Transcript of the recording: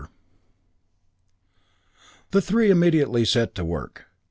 IV The three immediately set to work.